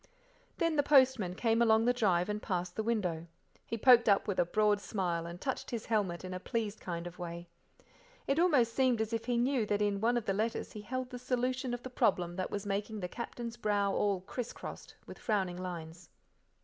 Then the postman came along the drive and past the window. He poked up with a broad smile, and touched his helmet in a pleased kind of way. If almost seemed as if he knew that in one of the letters he held the solution of the problem that was making the Captain's brow all criss crossed with frowning lines.